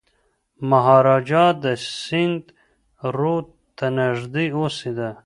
مهاراجا د سند رود ته نږدې اوسېده.